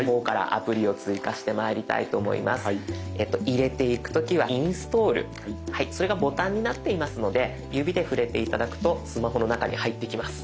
入れていく時はインストールそれがボタンになっていますので指で触れて頂くとスマホの中に入っていきます。